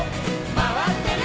回ってる！